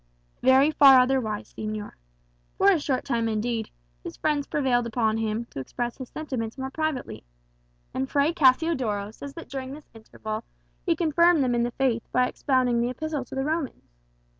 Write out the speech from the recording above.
"Very far otherwise, señor. For a short time, indeed, his friends prevailed on him to express his sentiments more privately; and Fray Cassiodoro says that during this interval he confirmed them in the faith by expounding the Epistle to the Romans.